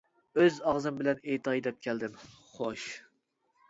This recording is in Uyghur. ئۆز ئاغزىم بىلەن ئېيتاي دەپ كەلدىم، خوش.